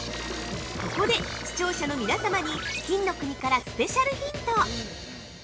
◆ここで視聴者の皆様に金の国からスペシャルヒント！